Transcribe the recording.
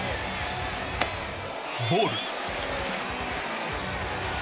ボール。